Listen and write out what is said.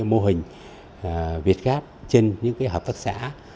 và xây dựng những mô hình việt gáp trên những hợp tác xã